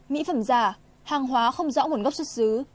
mỹ phẩm giả hàng hóa không rõ nguồn gốc xuất xứ